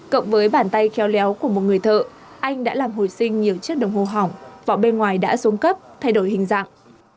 cộng với bàn tay khéo léo của một người thợ anh đã làm hồi sinh nhiều chiếc đồng hồ hỏng vỏ bên ngoài đã xuống cấp thay đổi hình dạng